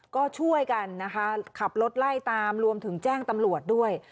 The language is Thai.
ก็ช่วยกันนะคะขับรถไล่ตามรวมถึงแจ้งตำรวจด้วย